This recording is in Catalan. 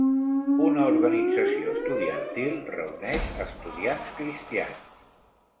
Una organització estudiantil reuneix estudiants cristians.